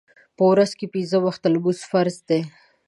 په ورځ کې پنځه وخته لمونځ فرض دی